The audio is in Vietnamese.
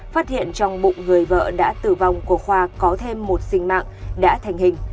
phát hiện trong bụng người vợ đã tử vong của khoa có thêm một sinh mạng đã thành hình